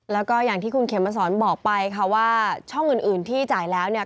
แล้วก็อย่างที่คุณเขมสอนบอกไปค่ะว่าช่องอื่นที่จ่ายแล้วเนี่ย